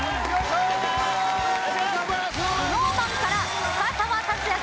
ＳｎｏｗＭａｎから深澤辰哉さん